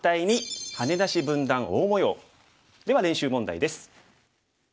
では練習問題です。